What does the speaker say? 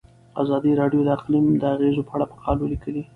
ازادي راډیو د اقلیم د اغیزو په اړه مقالو لیکلي.